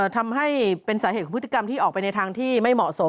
ทำให้เป็นสาเหตุของพฤติกรรมที่ออกไปในทางที่ไม่เหมาะสม